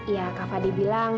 ya kak fadil bilang